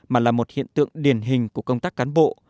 mà là một hiện tượng điển hình của công tác cán bộ